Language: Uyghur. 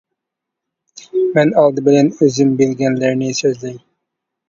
مەن ئالدى بىلەن ئۆزۈم بىلگەنلەرنى سۆزلەي.